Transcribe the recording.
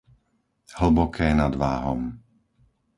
Hlboké nad Váhom